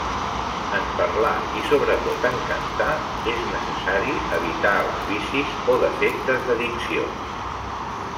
En parlar i sobretot en cantar, és necessari evitar els vicis o defectes de dicció.